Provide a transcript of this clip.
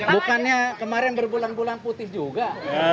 bukannya kemarin berbulan bulan putih juga